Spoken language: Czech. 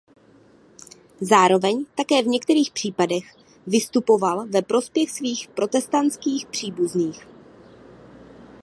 Zároveň také v některých případech vystupoval ve prospěch svých protestantských příbuzných.